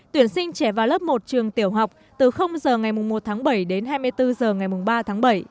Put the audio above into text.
tuyển sinh trẻ vào lớp một trường tiểu học từ h ngày một tháng bảy đến hai mươi bốn h ngày ba tháng bảy